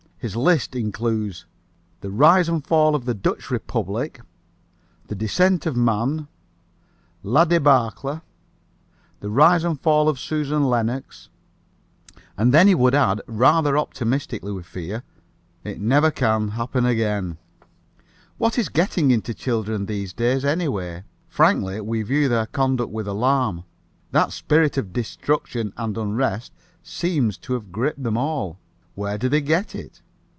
His list includes The Rise and Fall of the Dutch Republic, The Descent of Man, La Débâcle, The Fall and Rise of Susan Lennox, and then he would add, rather optimistically, we fear, It Never Can Happen Again. What is getting into children these days, anyway? Frankly, we view their conduct with alarm. That spirit of destruction and unrest seems to have gripped them all. Where do they get it?